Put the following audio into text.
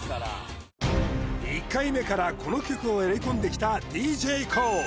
１回目からこの曲をやり込んできたＤＪＫＯＯ